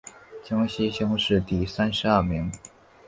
江西乡试第三十二名。